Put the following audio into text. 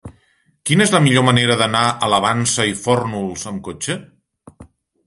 Quina és la millor manera d'anar a la Vansa i Fórnols amb cotxe?